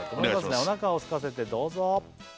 おなかをすかせてどうぞ！